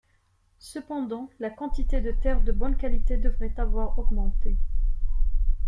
Cependant, la quantité de terre de bonne qualité devrait avoir augmenté.